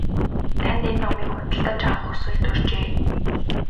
Танд энэ номыг худалдаж авах хүсэл төржээ.